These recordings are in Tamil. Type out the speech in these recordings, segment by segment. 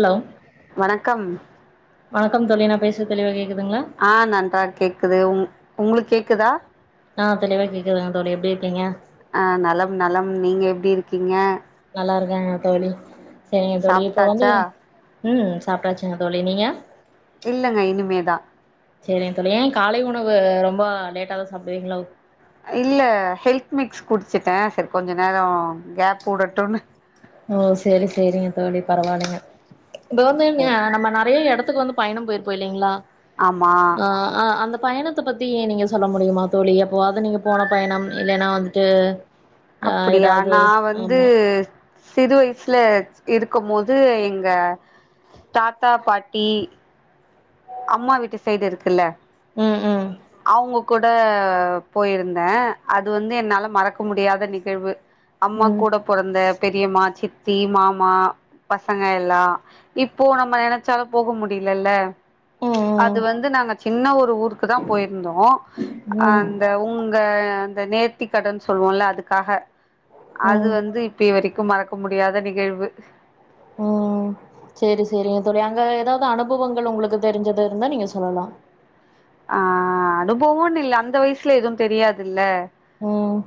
ஹலோ வணக்கம். வணக்கம் தோழி நா பேசுறது தெளிவா கேக் ஆ, நன்றா கேக்குது உங் உங்ளுக் கேக்குதா? ஆ, தெளிவா கேக்குதுங்க தோழி, எப்டிருக்கீங்க? அ, நலம் நலம் நீங்க எப்டி இருக்கீங்க? நல்லாருக்கேங்க தோழி. செரிங்க தோழி இப்ப வந்து, சாப்ட்டாச்சா ம் சாப்டாச்சுங்க தோழி நீங்க இல்லங்க, இனிமேதா சேரிங்க தோழி, ஏன காலை உணவு ரொம்ப லேட்டா தா சாப்டுவீங்களோ? இல்ல ஹெல்த் மிக்ஸ் குடிச்சட்டேன் சரி கொஞ்ச நேரம் கேப் உடட்டும்ன்னு ஓ செரி செரிங்க தோழி பரவில்லைங்க இப்ப வந்துங்க நம்ம நெறைய இடத்த துக்கு வந்து பயணம்யிருப்போ இலைங்களா ஆமா ஆஹ் ஆஹ் அந்த பயணத்தை பத்தி நீங்க சொல்ல முடியுமா தோழி எப்போவது நீங்க போன பயணம் இல்லைன்னா வந்துட்டு ஆ அப்படியா ஏதாவது நான் வந்து ஆமா சிறு வயசுல இருக்கும் போது எங்க தாத்தா பாட்டி அம்மா வீட்டு சைடு இருக்குல்ல உம் உம் அவுங்க கூட போயிருந்தேன் அது வந்து என்னால மறக்க முடியாத நிகழ்வு அம்மா ம் கூட பொறந்த பெரியம்மா சித் த்தி மாமா பசங்க எல்லா இப்போ நம்ம நினைச்சாலும் போக முடியலல்ல அது ம் வந்து நாங்க சின்ன ஒரு ஊருக்கு தான் போயிருந்தோம் ம் அந்த உங்க அந்த அந்த நேர்த்திக்கடனு சொல்லுவோம்ல அதுக்காக ம் அது ம் வந்து இப்ப இவரைக் கும் மறக்க முடியாத நிகழ்வு உம் செரி செரிங்க தோழி அங்க ஏதாவது அனுபவங்கள் உங்களுக்கு தெரிஞ்சது இருந்தா நீங்க சொல்லலா ஆஹ் அனுபவம்னு இல்ல அந்த வயசுல எதுவும் தெரியாதுல்ல உம்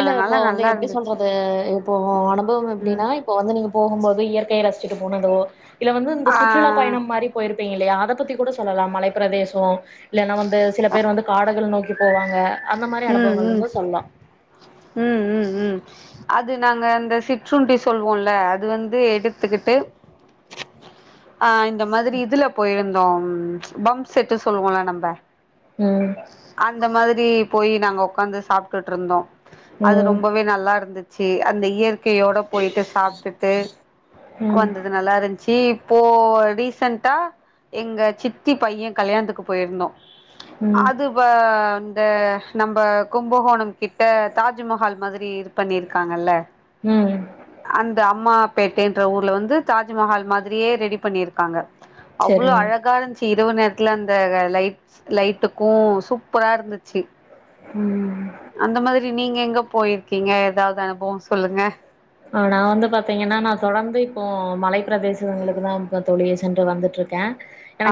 இல்ல இப்போ வந்து நல்லா எப்படி இருந்துச்சு சொல்றது இப்போ அனுபவம் ம் எப்படின்னா இப்போ வந்து நீங்க போகும்போது இயற் கை அ ரசிச்சுிட்டு போனதோ இல்ல வந்து இந்த ஆ சுற்றுலா பயணம் மாரி போயிருப்பீங்க இல்லையா அதாவ பத்தி கூட சொல்லலா மலை பிரதேசம் இல்லனா வந்து சில பேர் வந்து காடகள் நோக்கி போவாங்க அந்த மாதிர அனுபவங்கள்லும் ஓ சொல்லா உம் உம் உம் அது நாங்க அந்த சிற்றுண்டி சொல்லுவோம்ல அது வந்து எடுத்துக்கிட்டு ஆஹ் இந்த மாதிரி இதுல போயிருந்த தோம் பம் செட்டு சொல்லுவோங்கள நம்ம ம் அந்த மாதிரி ரி போய் நாங்க உக்காந்து சாப்பிட்டுட்டு இருந்தோம் அது ம் ரொம்பவே நல்லா இருந்து ச்சி அந்த இயற்கையோட போயிட்டு சாப்பிட்டுட்டு ம் வந்தது நல்லா இருந்துச்சு இப்போ ரீசன்ட் டா எங்க சித்தி பையன் கல்யாணத்துக்கு போயிருந்தோம் ம் அது வ ந்த நம்ம கும்பகோணம் கிட்ட தாஜ்மஹால் மாதிரி இருக் பண்ணியிருக்காங்கல்ல ம் அந்த அம்மா பேட்டைன்ற ஊர்ல வந்து தாஜ்மஹால் மாதிரியே ரெடி பண்ணியிருக்காங்க அவ்வளோ செரிங்க அழகாச்சு இரவு நேரத்துல அந்த லைட்ஸ் லைட்டுக்கும் சூப்பரா இருந்துச்சு ம் அந்த மாதிரி நீங்க எங்க போயிருக்கீங்க ஏதாவது அனுபவம் சொல்லுங்க ஆ நான் வந்து பாாரத்தீங்கன்னா நான் தொடர்ந்து இப்போ மலைப் பிரதேசங்களுக்கு தான் இப்ப நான் தோழி சென்று வந்துட்டு இருக்கேன்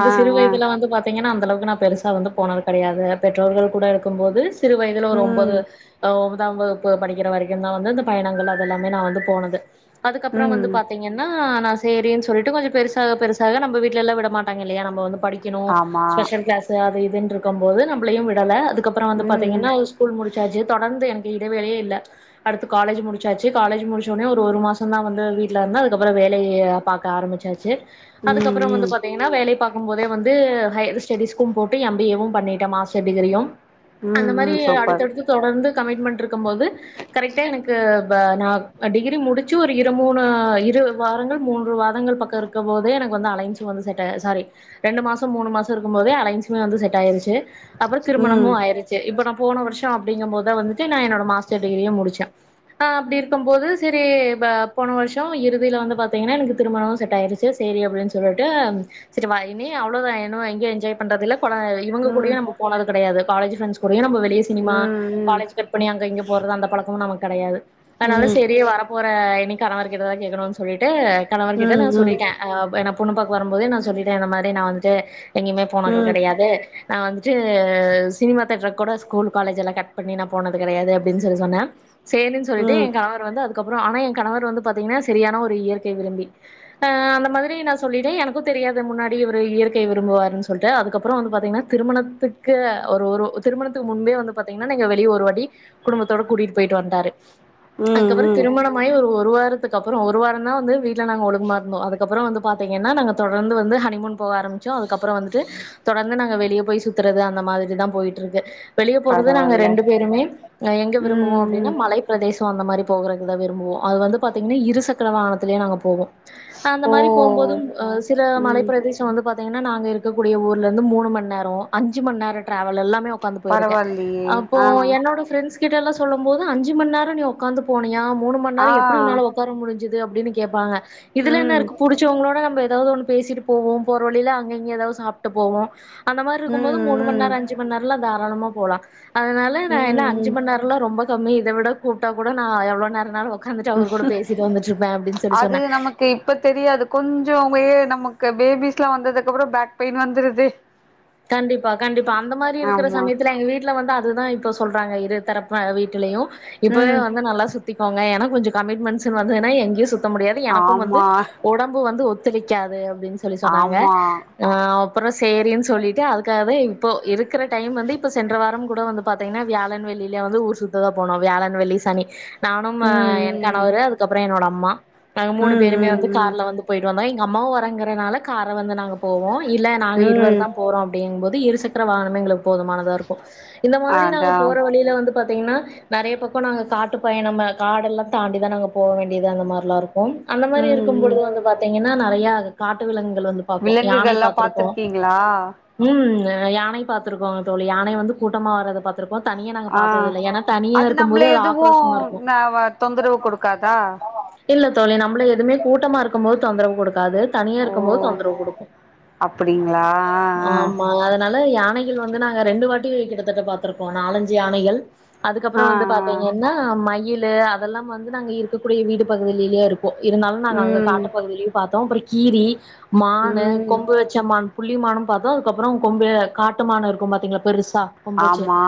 ஆ ஆ சிறுவயதுல வந்து பாத்தீங்கன்னா அந்த அளவுக்கு நான் பெருசா வந்து போனது கிடையாது பெற்றோர்கள் கூட இருக்கும்போது சிறு வயதுல ஒரு ஒன்பது ம் ஆ ஒன்பது வகுப்பு படிக்கிற வரைக்கும் தான் வந்து இந்த பயணங்கள் அதெல்லாம் நான் வந்து போனது அதுக்கு அப்புறம் வந்து ம் பாத்தீங்கன்னா ஆ செரின்னு சொல்லிட்டு கொஞ்சம் பெருசாக பெருசாக நம்ம வீட்டுலல்லாம் விட மாட்டாங்க இல்லையா நம்ம வந்து படிக்கணும் ஆமா ஸ்பெஷல் கிளாஸ் அது இ துன்னு இருக்கும் போது நம்மளையும் விடல அதுக் கப்புறம் வந்து ம் பாத்தீங்கன்னா ஸ்கூல் முடிச்சாசு தொடர்ந்து எனக் இடைவேளையே இல்லை அடுத்து காலேஜ் முடிச்சாச்சு காலேஜ் முடிச்சோடனே ஒரு மாசம் தான் வந்து வீட்டுல இருந்த அதுக்கப்புறம் வேலையை பார்க்க ஆரம்பிச்சாச்சு ம் அதுக்கப்புறம் வந்து ம் பாத்தீங்கன்னா வேலை பா இருக்கும் போதே வந்து ஹையர் ஸ்டெடீஸ்கும் போட்டு எம் பி ஏ வும் பண்ணிட்டேன் மாஸ்டர் டிகிரியும் அந்த ம் மாரி ம் அடுத்து சூப்பர் தடுத்து தொடர்ந்து கமிட்மெண்ட் இருக்கும் போது கரெக்டா எனக்கு இப்போ நான் டிகிரி முடிச்சு ஒரு இரு மூணு இரு வாரங்கள் மூன்று வாரங்கள் பக்கம் இருக்கும்போதே எனக்கு வந்து அலையன்ஸும் வந்து செட் ஸரி ரெண்டு மாதம் மூணு மாதம் இருக்கும்போதே அலையன்ஸுமே வந்து செட் ஆயிருச்சு அப்புறம் ம் திருமாணமும் ஆயிடுச்சு இப்ப நம் போன வருஷம் அப்படிங்கும் போதுதான் வந்துட்டு நான் என்னோட மாஸ்டர் டிகிரியே முடிச்சேன் ஆஹ் அப்படி இருக்கும் போது சரி போன வருஷம் இறுதியில வந்து பாத்தீங்கன்னா எனக்கு திருமணமும் செட் ஆயிருச்சு சரி அப்படின்னு சொல்லிட்டு சரி வாயினி அவ்வளவு தான் வேணும் எங்க என்ஜாய் பண்றதுல இப்பா இவங்க ம் கூடையும் நம்ம போனது கிடையாது காலேஜ் ஃப்ரெண்ஸ் கூட அப்டி நம்ப வெளிய ம் சினிமா ம் காலேஜ் கட் பண்ணி அங்க இங்கே போறது அந்த பழக்கமும் நமக்கு கெடையாது அதனால ம் சேரியே வர போற இன்னைக் கணவர் கிட்ட தா கேக்கணும்னு சொல்லிட்டு கணவன் ம் கிட்ட நா ம் சொல்லிட்டே ஆ ப என பொண்ணுப்பாக்க வரும்போதே நா சொல்லிட்டே. இந்த மாரி நா வந்துட்டு எங்கயுமே போனது ம் ம் கிடையாது நா வந்துட்டு சினிமா தேட்டரு கூட ஸ்கூல் காலேஜ் எல்லா கட் பண்ணி நா போனது கிடையாது. அப்டின்னு சொல்லி சொன்னே சே சொல்லிட்டு என் கணவர் வந்து அது அதுக்கு அப்புறோ ஆனா என் கணவர் வந்து பாத்தீங்கன்னா செரியான ஒரு இயற்கை விரும்பி. அஹ் அந்த மாரி நா சொல்லிட்டே எனக்கும் தெரியாது முன்னாடி இவரு இயற்கை விரும்புவாருன்னு சொல்டு அதுக்கப்புறோ வந்து பாத்தீங்கன்னா திருமணத்துக்கு ஒரு ஒரு திருமணத்துக்கு முன்பே வந்து பாத்தீங்கன்னா நாங்க வெளியே ஒரு வாட்டி குடும்பத்தோட கூட்டிட்டு போயிட்டு வந்தாரு. ம் அதுக்கப்புறோ ம் திருமணமாயி ஒரு ஒரு ஒரு வாரத்துக்கு அப்புறோ ஒரு வாரம் தா வந்து வீட் நாங்க ஒழுங்கமா இருந்தோம் அதுக்கப்புறோ வந்து பாத்தீங்கன்னா நாங்க தொடர்ந்து வந்து ஹனிமூன் போக ஆரமிச்சோ அதுக்கப்புறோ வந்துட்டு தொடர்ந்து நாங்க வெளியே போய் சுத்துறது அந்த மாரிதா போயிட்டு இருக்கு. வெளியே போறது நாங்க பரவால்ல ரெண்டு பேருமே, எங்க விரும்புவோ ம் ம் அப்டின்னு மலை. சோ அந்த மாரி போகறதுதா விரும்புவோ, அது வந்து பாத்தீங்கன்னா இரு சக்கர வாகனத்திலயே நாங்க போவோ அந்த ஓ மாரி போகும் போதும் ஹ் சில மலைப் ம் பிரதேசம் வந்து பாத்தீங்கன்னா. நாங்க இருக்கூடிய ஊர்ல இருந்து மூணு மணி நேரோ அஞ்சு மணி நேரோ டிரவல் எல்லாமே உக்கார்ந்து போயிருக்கே பரவால்லியே அப்போ ஆ என்னோட ஃப்ரரெண்ட்ஸ் கிட்டாலா சொல்லும் போது, அஞ்சு மணி நேரோ பின்னாடி உக்காந்து போனிய மூணு ஆ மணிநேரம், எப்படி உன்னால உக்கார முடிச் து அப்டின்னு கேப்பாங்க. இதுல என்ன ம் இருக்கு, புடிச்சவங்களோட நம்ம இரு ஏதாவது ஒண்ணு பேசிட்டு போவோ போற வழியில அங்க இங்க ஏதாவது சாப்ட்டு போவோ அந்த மாரி ம் இருக்கும் போது மூணு ம் மணிநேரோ, அஞ்சு மணி நேரம்ல தா தினமு போலாம். அதனால நா ம் என்ன அஞ்சு ம் மணி நேரம்லா ரொம்ப கம்மி இத விட கூப்டா கூட நான் எவ்ளோ நேரோ சொன்னே அது நமக்கு இப்ப தெரியாது. கொஞ்சோ அப்டியே நமக்கு. க்கு பேபிஸ்லா வந்ததுக்கு அப்பறோ பேக் பெயின் வந்துருது. கண்டிப்பா கண்டிப்பா அந்த மாரி இருக்கிற ஆமா சமயத்துல எங்க வீட்ல வந்து அத் அதுதா இப்ப சொல்றாங்க இரு தரப்பு வீட்டுலையு இப்வே ம் வந்து நல்லா சுத் திக்கோங்க ஏன்னா கொஞ்ச கமிடமெண்ட்ஸ்னு வந்துன்னா எங்கய சு த்த முடியாது எனக்கும் வந்து ஆமா உடம்பு வந்து ஒத்து த்துழைக்காது அப்டின்னு சொல்லி சொன்னாங்க ஆமா ஆ அப்றோ சேரின்னு சொல்லிட்டு அதுக்காக இப்போ இருக்கிற டைம் வந்து இப்ப சென்ற வாரம் கூட வந்து பாத்தீங்கன்னா வியாழன்வெள்ளியில வந்து ஊர் சுத்ததா போனோம் வியாழன் வெள்ளி சனி நானும் என் ம் கணவரு அதுக்கப்பற என்னோட அம் அம்மா நாங்க மூணு ம் பேருமே ம் வந்து ம் கார்ல வந்து போயிட்டு வந்தோ அம்மாவு வரங்கறனால கார்ல வந்து நாங்கள் போவோம் இல்ல நாங்க ம் இருவர் ம் தா அப்படிங்கும்போது இரு சக்கர வாகனம் எங்ளுக் போதுமானதா இருக்கு இந்த மாதிரி நாங்க அதா போற வழியில வந்து பாத்தீங்கன்னா நெறைய பக்கம் நாங்க காட்டு பயணம் காடெல்லா தாண்டிதா நாங்க போக வேண்டியது அந்த மாரிலா இருக்கும் கும் அந்த மாதிரி ம் இருக்கும் ம் பொழுது வந்து பாத்தீங்கன்னா நெறையா காட்டு விலங்கு விலங்குகள்ல்லா பாத்துருக்கீங்களா ம் யானை பாத்துருக்கோங்க தோழி யானை வந்து கூட்டமா வர்த பாத்து ஆ அது இருக்கும் நம்மள போது அது எதுவு ஆக்ரோஷமா இருக்கு ந தொந்தரவு கொடுக்காதா இல்ல தோழி நம்மள எதுவுமே கூட்டமாக இருக்கும்போது தொந்தரவு கொடுக் காது தனியா ஓ இருக்கும்போது தொந்தரவு கொடுக்கும் அப்டிங்களா ஆமா அதனால யானைகள் வந்து நாங்க ரெண்டு வாட் டி கிட்டத்தட்ட பாத்திருக்கோ நாலஞ்சு யானைகள் அதுக்கப்பற ஆ ஆ வந்து பாத்தீங்கன்னா மயில் லு அதெல்லா வந்து நாங்க இருக்கக்கூடிய வீடு பகுதியிலேயே இரு இருந்தாலு ஆ நாங்க அங்க ம் காட்டு பகுதியிலயும் பாத்தோம் அ கீரி மானு ம் கொம்பு வச்ச மான் புள்ளிமானும் பாத்தோ அதுக்கப்பற கொம்பு காட்டுமானு இருக்கும் பாத்தீங்களா பெருசு சா கொம்புவச்சு ஆமா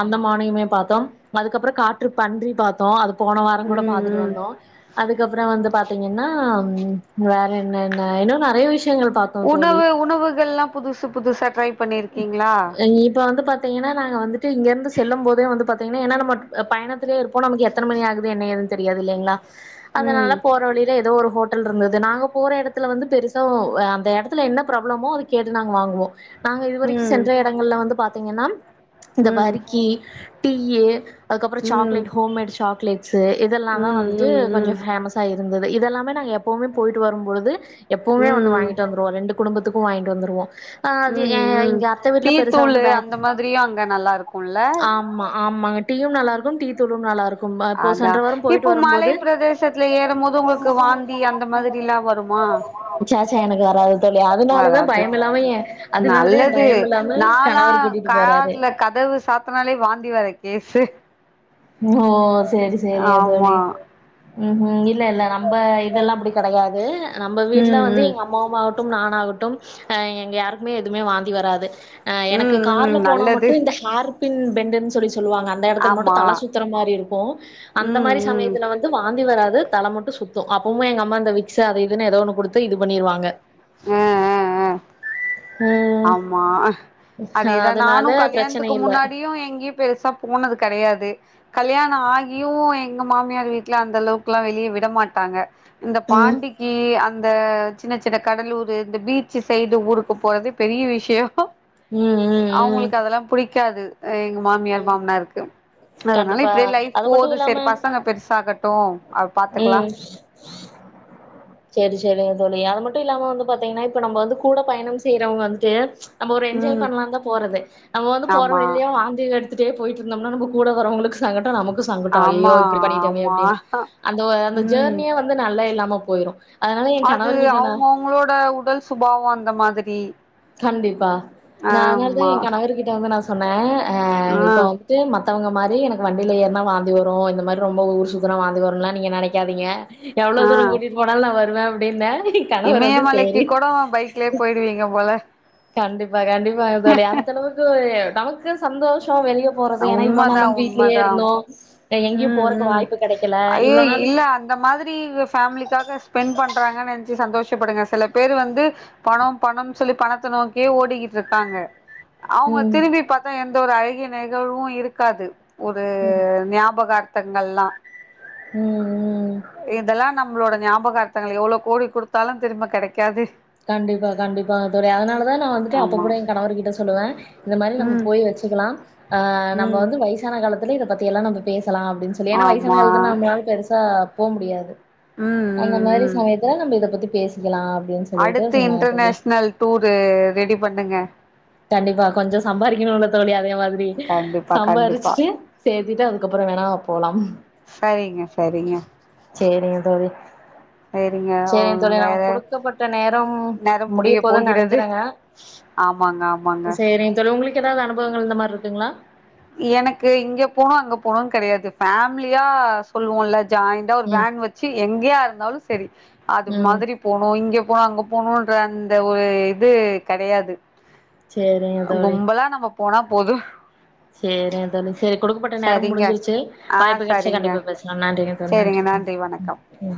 அந்த மானையுமே பார்த்தோம் அதுக்கப்புறம் காற்று பன்றி பார்த்தோம் அது போன வாரம் கூட ம் பாார்த்துட்டு ம் வந்தோம் அதுக்கப்புறம் வந்து பாார்த்தீங்கன்னா உம் வேற என்னன இன்னும் நெறைய விஷயம் விஷயங்கள் பாத்தோம் தோழி உணவுகள் எல்லா புதுசு புதுசா ட்ரை பண்ணிருக்கீங்களா இப்ப வந்து பாத்தீங்கன்னா நாங்க வந்துட்டு இங்கிருந்து செல்லும் போதே வந்து பாத்தீங்கன்னா ஏன்னா நம்ம பயணத்தே இருப்போம் நமக்கு எத்த மணி ஆகுது என்ன ஏது தெரியாது இல்லைங்களா அதனால ம் போற வழியில ஏதோ ஒரு ஹோட்டல் இருந்தது நாங்க போற இடத்துல வந்து பெருச அந்த இடத்துல என்ன ப்ராப் ப்ராவளமோ அது கேட்டு நாங்க வாங்குவோம் நாங்க இதுவரைக்கும் ம் சென்ற இடங்கள்ல வந்து பாத் பாத்தீங்கன்னா இந்த ம் வரிக்கி டீய அதுக்கப்புறம் ம் ம் சாக்லேட் ஹோம்மேட் சாக்லேட்ஸ் இதெல்லா தான் வந்துட்டு ம் கொஞ்சோ ம் ஃபேமஸா இருந்தது இதெல்லாமே நாங்க எப்பவுமே போயிட்டு வரும் பொழுது ம் எப்பவுமே வந்து ம் வாங்கிட்டு வந்துருவோம் ரெண்டு குடும்பத் குடும்பத்துக்கும் வாங்கிட்டு வந்துவோம் உம் உம் டீ வந்து தூள்ளு பேக் அந்த மாதிரியும் அங்க நல்லா இருக்கும்ல ஆமா ஆமாங்க டீம் நல்லா இருக்கும் டீத்தூள்ளும் நல்லா இருக்கும் இப்போ சென்ற அதான் வாரம் இப்போ போயிட்டு மலை வரும்போது பிரதேசத்துல ஏறும் போது உங்களுக்கு வாந்தி அந்த மாதிரில்லா வருமா சேச்சா எனக்கு வராது தோழி அதனாலதா வராது பயம் இல்லாம எ அதனாலதா எ நல்லது பயம் இல்லாம நாளா கணவர் கூட்டிட்டு போறாரு காத்துல கதவு சாத்தனாலே வாந்தி வர கேசு ஓ செரி செரிங்க ஆமா தோழி உம் உம் இரு இல்ல இல்ல நம்ம இதெல்லா அப்படி கிடையாது நம்ம வீட்டுல ம் வந்து ம் எங்க அம்மா அம்மாவட்டும் நான் ஆகட்டும் எங்க யாருக்குமே எதுவுமே வாந்தி வராது அ எனக்கு ம் ம் கார்ல போனா நல்லது மட்டும் இந்த ஆர் பின் பேண்ட்னு சொல்லி சொல்லுவங்க அந்த இடத்துல மட்டும் ஆமா தல சுத்தும் சுத்துற மாரி இருக்கும் அந்த ம் மாரி ம் சமயத்தில்ல வந்து வாந்தி வராது அ தலை மட்டும் சுத்தும் அப்பமே எங்க அம்மா இந்த வ விக் அதை இதுன்னு ஏதோ ஒ கொடுத்து இது பண்ணிருவாங்க உம் உம் உம் ம். ஆமா அதேதான் அதனால நானும் பிரச்சனை கல்யாணத்துக்கு இல்ல. முன்னாடியும் எங்கேயும் பெருசா போனது கிடையாது கல்யாணம் ஆகியும் எங்க மாமியார் வீட்டுல அந்த அளவுக்குல்லா வெளியே விட மாட்டாங்க இந்த ம். பாண்டிக்கு அந் இந்த சின்ன சின்ன கடலூர் இந்த பீச்சு சைடு ஊருக்கு போறது பெரிய விஷயம் உம் உம் உம் காது அ எங்க மாமியார் மாமனாருக்கு அதனால கண்டிப்பா. இப்டியே லைஃப் அது போது மட்டும் இல்லாம செர் பசங்க பெருசாகட்டு அப் பாத்துக்லா ம். சேரி சேரிங்க தோழி அது மட்டு இல்லாம வந்து பாத்தீங்னா இப்ப நம்ப வந்து கூட பயணம் செய்றவுங்க வந்துட்டு நம்ப ஒரு என்ஜாய் ம் பண்ணலாந்தா போறது நம்ம வந்து போற ஆமா வழிலே வா மிட் எடுத்துட்டே போயிட்ருந்தம்னா நம்ப கூட வரவுங்களுக்கு சங்கட்ட நமக் கு சங்கட்டொ ஐயோ ஆமா இப்புடி பண்ணிட்டமே ஆமா அப்டினு அந்த ஒ அந்த ம் ஜேர்னிய வந்து நல்லா இல்லா ம போயிரு அதனால என் அது கணவர்கிட்ட நா அவுங்கவுங்களோட உடல் சுபாவொ அந்த மாதிரி கண்டிப்பா நா அதனால்தா ஆமா என் கணவர் கிட்ட வந்து நா சொன்னே அ ஆ இப்பொ வந்துட்டு மத்தவுங்க மாரி எனக்கு வண்டில ஏற்னா வாந்தி வரு இந்த மார் ரொம்ப ஊர் சுத்துனா வாந்தி வருன்லா நீங்க நெனைக்காதீங்க எவ்ளோ தூரங் கூட்டிட் போனால் நா வருவே அப்டினெ இமய மலைக்கி கொடோ பைக்லே போய்டுவீங்க போல கண்டிப்பா கண்டிப்பாங்க தோழி அந்தளவுக்கு நமக் கு சந்தோஷொ வெளிய போறது ஏனா இவ்ளோ நாள் நம் வீட்லே இருந்தோ எங்கேயு உம் போறக்கு உம் வாய்ப்பு கெடைக்கல ஐயோ இவ்ளோ நாள் இல்ல அந்த மாதிரி ஃபேமிலிக்காக ஸ்பெண்ட் பண்றாங்க நெனச்சு சந்தோஷப்படுங்க செல பேர் வந்து பணொ பணம் சொல்லி பணத்த நோக்கியே ஓடிக்கிட்ருக்காங்க அவுங்க ம் திரும்பி பாத்தா எந்த ஒரு ஐ ம் நெகழ்வு இருக்காது ஒரு ம் ஞா பகர்த்தங்கள்லா உம் இதெல்லா நம் உங்ளோட ஞாபகர்த்தங்கள் எவ்ளோ கோடி குடுத்தாலு திரும்ப கெடைக் கண்டிப்பா கண்டிப்பாங்க தோழி அதனாலதா நா வந்துட்டு அப்ப ஆமா கூட எங்கணவர் கிட்ட சொல்லுவே இந்த மாரி நம்ப ம் போய் வச்சுக்கலா ஆ நம்ப ம் வந்து வயசான காலத் துல இத பத்தியெல்லா நம்ப பே சலா அப்டின் சொல்லி ஏனா வயசானா ஆமா காலத்துல் நம்ளால் பெருசா போ முடியாது ம் அந்த ம் மாரி ம் சமயத்துல நம்ப இத பத்தி பேசிக்கெலா அப்டின் அடுத்து இன்டர்நேஷ்னல் டூரு ரெடி பண்ணுங்க கண்டிப்பா கொஞ்சொ சம்பாரிக்கெணுல்ல தோழி அ அதே மாதிரி கண்டிப்பா கண்டிப்பா சம்பாதிச்சுட்டு சேர்த்திட்டு அதுக்கப்புறம் வேணாம போகலாம் சரிங்க சரிங்க சரிங்க தோழி சரிங்க சரிங்க தோழி நம்ம வேற குடுக்கப்பட்ட நேரம் நேரம் முடிய போதும்ன்னு போகிறது நினைக்கிறேங்க ஆமாங்க ஆமாங்க சரி தோழி உங்களுக்கு ஏதாவது அனுபவங்கள் இந்த மாதிரி இருக்குங்களா எனக்கு இங்க போகனும் அங்க போகணும்னு கிடையாது ஃபேமிலியா சொல்லுவோம்ல்ல ஜாயின்ண்டா ஒரு ம் வேன் வச்சு எங்கேயா இருந்தாலும் சரி அது ம் மாதிரி போனும் இங்க போனும் அங்க போனும்ன்ற அந்த ஒரு இது கிடையாது சரிங்க தோழி போனா போது சரிங்க த சரி கொடுக்கப்பட்ட நேரம் சரிங்க முடிஞ்சிருச்சு ஆ வாய்ப்பு கிடைச்சா சரிங்க கண்டிப்பா பேசலாம் நன்றிங்க த சரிங்க வணக்கம் நன்றி